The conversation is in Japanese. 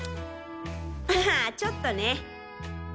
あちょっとね。